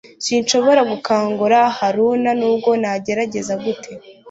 Sinshobora gukangura Haruna nubwo nagerageza gute